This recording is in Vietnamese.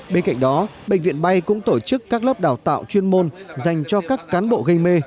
bên cạnh đó bệnh viện bay cũng tổ chức các lớp đào tạo chuyên môn dành cho các cán bộ gây mê